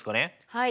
はい。